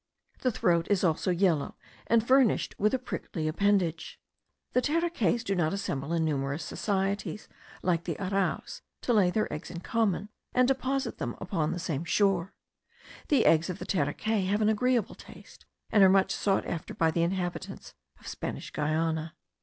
The throat is also yellow, and furnished with a prickly appendage. The terekays do not assemble in numerous societies like the arraus, to lay their eggs in common, and deposit them upon the same shore. The eggs of the terekay have an agreeable taste, and are much sought after by the inhabitants of Spanish Guiana.